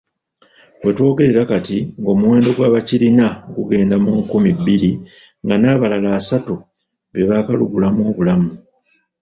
Wetwogerera kati ng'omuwendo gw'abakirina gugenda mu nkumi bbiri nga n'abalala asatu bebakalugulamu obulamu.